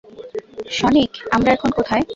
Sonic, আমরা এখন কোথায়?